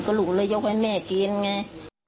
ลูกเลยยกให้แม่กินไง